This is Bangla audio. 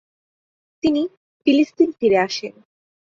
তিনি ফিলিস্তিন ফিরে আসেন।